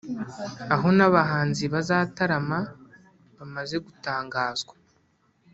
aho n’abahanzi bazatarama bamaze gutangazwa